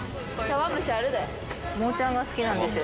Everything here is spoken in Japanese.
もーちゃんが好きなんですよ